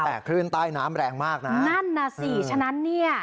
แต่คลื่นใต้น้ำแรงมากนะนั่นน่ะสิฉะนั้นเนี่ย